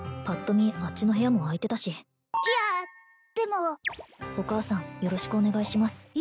パッと見あっちの部屋も空いてたしいやでもお母さんよろしくお願いします